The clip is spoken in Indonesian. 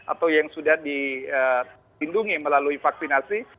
atau yang sudah dilindungi melalui vaksinasi